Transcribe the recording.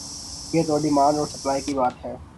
یہ تو ڈیمانڈ اور سپلائی کی بات ہے۔